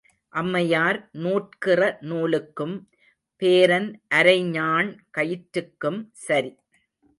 அம்மையார் நூற்கிற நூலுக்கும் பேரன் அரைஞாண் கயிற்றுக்கும் சரி.